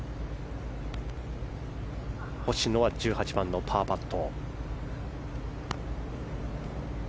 星野１８番のパーパット。